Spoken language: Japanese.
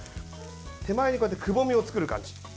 手前にくぼみを作る感じ。